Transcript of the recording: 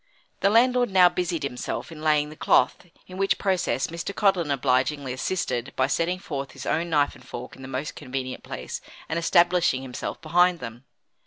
The landlord now busied himself in laying the cloth, in which process Mr. Codlin obligingly assisted by setting forth his own knife and fork in the most convenient place and establishing himself behind them.